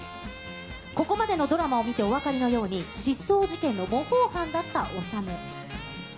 ここまでのドラマを見てお分かりのように、失踪事件の模倣犯だったオサム。